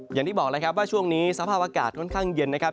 อย่างที่บอกแล้วครับว่าช่วงนี้สภาพอากาศค่อนข้างเย็นนะครับ